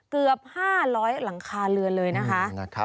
เกือบ๕๐๐หลังคาเรือนเลยนะคะ